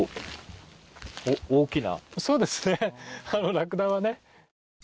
ラクダはね。